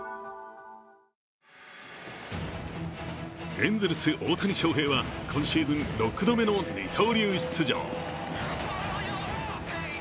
エンゼルス・大谷翔平は今シーズン６度目の二刀流出場。